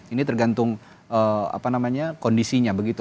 ini tergantung kondisinya begitu